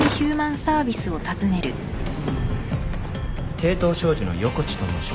帝東商事の横地と申します。